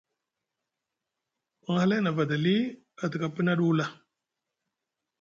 Won hlay nʼa vada li, a tika pini a ɗuula.